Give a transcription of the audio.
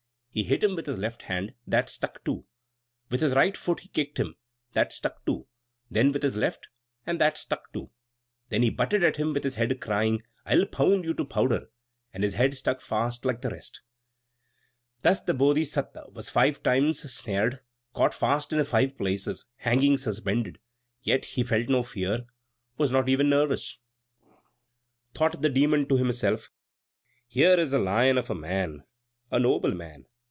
He hit him with his left hand that stuck too! With his right foot he kicked him that stuck too; then with his left and that stuck too! Then he butted at him with his head, crying, "I'll pound you to powder!" and his head stuck fast like the rest. Thus the Bodhisatta was five times snared, caught fast in five places, hanging suspended: yet he felt no fear was not even nervous. [Illustration: THE DEMON WITH THE MATTED HAIR] Thought the Demon to himself: "Here's a lion of a man! A noble man!